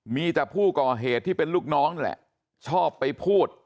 มีแต่ผู้ก่อเหตุที่เป็นลูกน้องนี่แหละชอบไปพูด